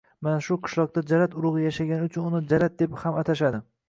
Mazkur qishloqda jarat urug‘i yashagani uchun uni Jarat deb ham atashadi.